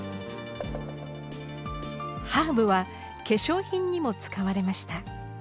ハーブは化粧品にも使われました。